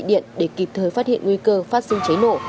điện để kịp thời phát hiện nguy cơ phát sinh cháy nổ